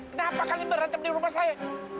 kenapa kalian berantem di rumah saya